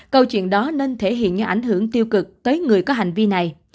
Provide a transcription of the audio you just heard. câu chuyện đó nên thể hiện những ảnh hưởng tiêu cực tới người có hành vi này